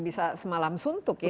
bisa semalam suntuk ya